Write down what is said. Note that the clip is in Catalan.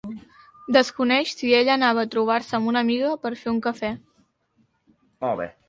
Desconeix si ella anava a trobar-se amb una amiga per fer un cafè.